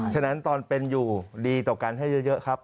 ฉะนั้นตอนเป็นอยู่ดีต่อกันให้เยอะครับ